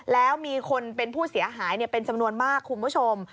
แล้วมีคนเป็นผู้เสียหายเป็นจำนวนมากคุณผู้ชม